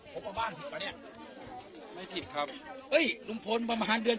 คุณรู้มั้ยว่าผู้เป็นคนใดไหนครับ